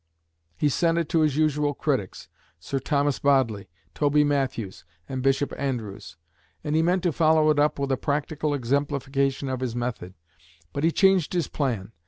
He sent it to his usual critics, Sir Thomas Bodley, Toby Matthews, and Bishop Andrewes. And he meant to follow it up with a practical exemplification of his method. But he changed his plan.